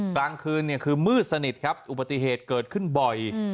กลางคืนคือมืดสนิทครับอุบัติเหตุเกิดขึ้นบ่อย